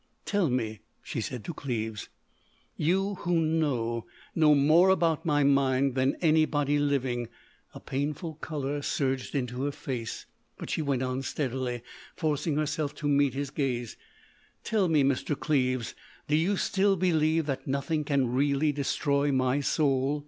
"Tell me," she said to Cleves—"you who know—know more about my mind than anybody living——" a painful colour surged into her face—but she went on steadily, forcing herself to meet his gaze: "tell me, Mr. Cleves—do you still believe that nothing can really destroy my soul?